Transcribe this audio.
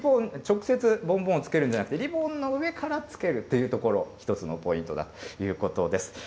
直接ボンボンをつけるんじゃなくて、リボンの上からつけるというところ、一つのポイントだということです。